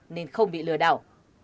nên không bị lừa đảo